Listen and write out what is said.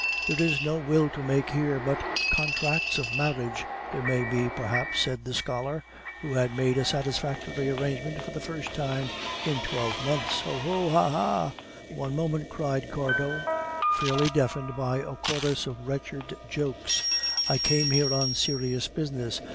"There is no will to make here, but contracts of marriage there may be, perhaps," said the scholar, who had made a satisfactory arrangement for the first time in twelve months. "Oh! Oh!" "Ah! Ah!" "One moment," cried Cardot, fairly deafened by a chorus of wretched jokes. "I came here on serious business.